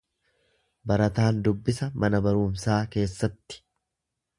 Barataan dubbisa mana barumsaa keessatti.